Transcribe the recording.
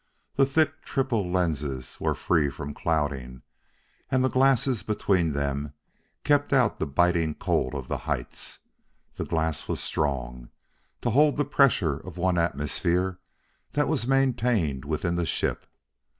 The thick triple lenses were free from clouding, and the glasses between them kept out the biting cold of the heights. The glass was strong, to hold the pressure of one atmosphere that was maintained within the ship.